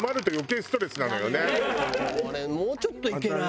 あれもうちょっといけない？